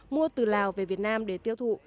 mua từ lào về việt nam để tiêu thụ